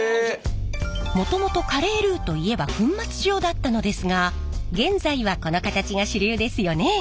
もともとカレールーといえば粉末状だったのですが現在はこの形が主流ですよね？